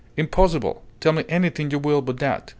"Impossible! Tell me anything you will but that!